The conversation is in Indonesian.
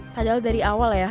padahal dari awal ya